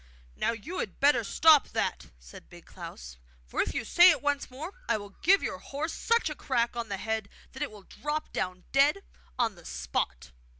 'Now you had better stop that,' said Big Klaus, 'for if you say it once more I will give your horse such a crack on the head that it will drop down dead on the spot!